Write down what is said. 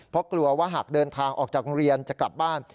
เพราะกลัวว่าหากเดินทางออกจากโรงเรียนจะกลับบ้าน